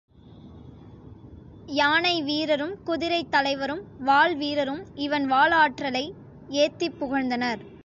யானை வீரரும், குதிரைத் தலைவரும், வாள் வீரரும் இவன் வாளாற்றலை ஏத்திப் புகழ்ந்தனர்.